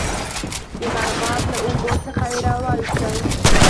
د مرغاب له اوبو څخه یې را وایستی.